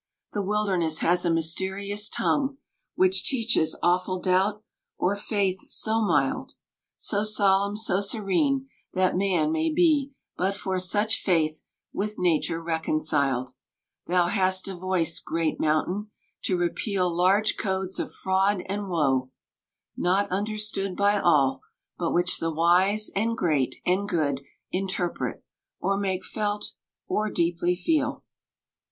The wilderness has a mysterious tongue Which teaches awful doubt, or faith so mild, So solemn, so serene, that man may be But for such faith with nature reconciled , Thou hast a voice, great Mountain, to repeal Large codes of fraud and woe j not understood By all, but which the wise, and great, and good Interpret, or make felt, or deeply feel.